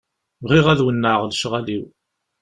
Bɣiɣ ad wennɛeɣ lecɣal-iw.